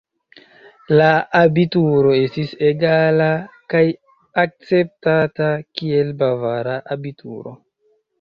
La abituro estis egala kaj akceptata, kiel bavara abituro.